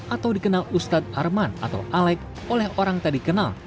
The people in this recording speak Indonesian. atau dikenal ustadz arman atau alek oleh orang tadi kenal